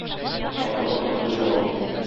Татлыга татлы җавап.